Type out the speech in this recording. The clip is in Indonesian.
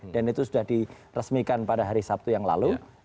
dan itu sudah diresmikan pada hari sabtu yang lalu